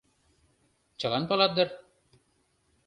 Чылан палат дыр.